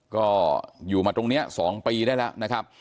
ก็อยู่มาตรงนี้๒ปีได้แล้วนะครับ